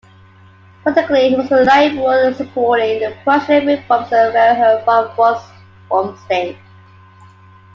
Politically he was a liberal, supporting the Prussian reforms of Freiherr vom Stein.